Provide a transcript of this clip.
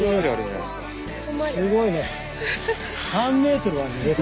すごいね。